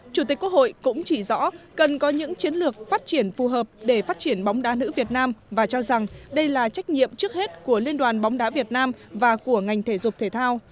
chủ tịch quốc hội cũng chỉ rõ cần có những chiến lược phát triển phù hợp để phát triển bóng đá nữ việt nam và cho rằng đây là trách nhiệm trước hết của liên đoàn bóng đá việt nam và của ngành thể dục thể thao